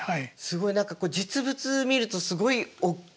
すごい何か実物見るとすごいおっきくって。